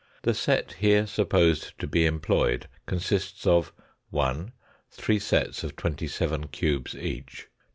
The set here supposed to be employed consists of : 1. Three sets of twenty seven cubes each.